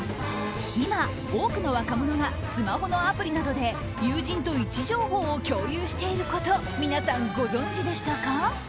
今、多くの若者がスマホのアプリなどで有人と位置情報を共有していること皆さんご存じでしたか？